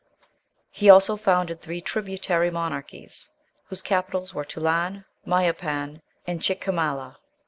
He also founded three tributary monarchies, whose capitals were Tulan, Mayapan, and Chiquimala.